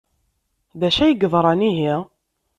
D acu ay yeḍran ihi?